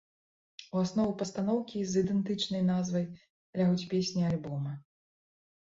У аснову пастаноўкі з ідэнтычнай назвай лягуць песні альбома.